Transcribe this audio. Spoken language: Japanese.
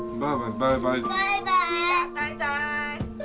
バイバーイ。